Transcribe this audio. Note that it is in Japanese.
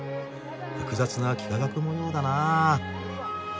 複雑な幾何学模様だな。